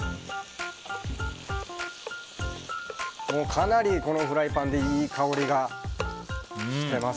かなり、このフライパンでいい香りがしてます。